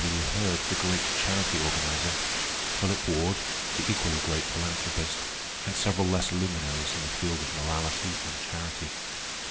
W. Hurd, the great charity organizer; Philip Ward, the equally great philanthropist; and several lesser luminaries in the field of morality and charity.